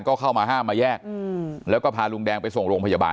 ก็เข้ามาห้ามมาแยกแล้วก็พาลุงแดงไปส่งโรงพยาบาล